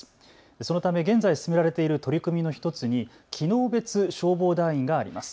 そのため現在進められている取り組みの１つに機能別消防団員があります。